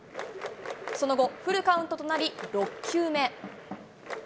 その後、フルカウントとなり、６球目。